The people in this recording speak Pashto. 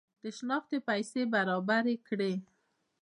د شنختې پیسې برابري کړي.